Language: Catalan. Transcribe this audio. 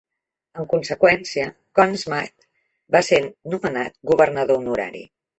En conseqüència, Conn Smythe va ser nomenat governador honorari.